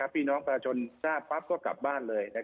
พี่น้องประชาชนทราบปั๊บก็กลับบ้านเลย